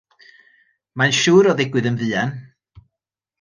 Mae'n siŵr o ddigwydd yn fuan.